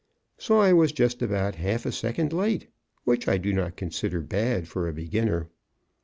So I was just about half a second late, which I do not consider bad for a beginner.